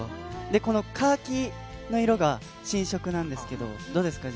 このカーキの色が新色なんですけど、どうですか？